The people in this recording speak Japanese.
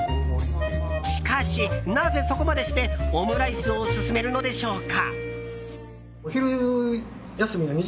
しかし、なぜそこまでしてオムライスを勧めるのでしょうか。